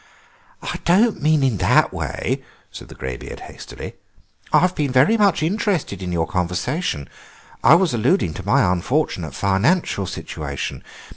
"I don't mean in that way," said the greybeard hastily; "I've been very much interested in your conversation. I was alluding to my unfortunate financial situation.